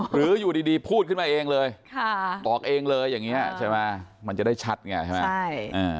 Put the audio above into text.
หรืออยู่ดีพูดขึ้นมาเองเลยบอกเองเลยอย่างนี้ใช่ไหมมันจะได้ชัดไงใช่ไหม